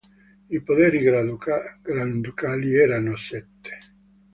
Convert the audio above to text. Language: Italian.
I poderi granducali erano sette.